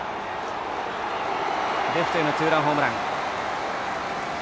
レフトへのツーランホームラン。